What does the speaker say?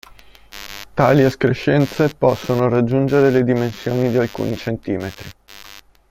Tali escrescenze possono raggiungere le dimensioni di alcuni centimetri.